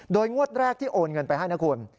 โดยงวดแรกที่โอนเงินไปให้นะคุณ